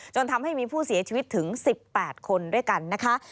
จนทำให้มีผู้เสียชีวิตถึง๑๘คนด้วยกันนะคะ